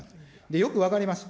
よく分かりました。